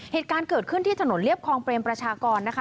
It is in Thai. เหตุการณ์เกิดขึ้นที่ถนนเรียบคลองเปรมประชากรนะคะ